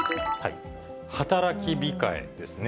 働き控えですね。